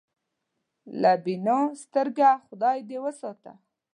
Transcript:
له بینا سترګېه خدای دې وساتي.